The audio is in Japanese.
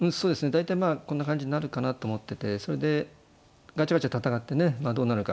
大体まあこんな感じになるかなと思っててそれでガチャガチャ戦ってねまあどうなるか。